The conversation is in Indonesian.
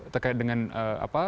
terkait dengan apa